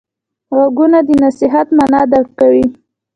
غوږونه د نصیحت معنی درک کوي